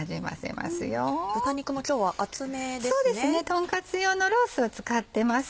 とんカツ用のロースを使ってます。